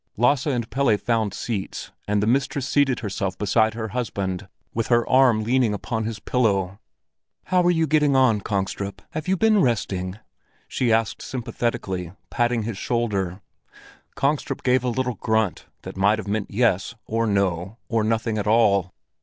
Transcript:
Lasse and Pelle found seats, and the mistress seated herself beside her husband, with her arm leaning upon his pillow. "How are you getting on, Kongstrup? Have you been resting?" she asked sympathetically, patting his shoulder. Kongstrup gave a little grunt, that might have meant yes, or no, or nothing at all.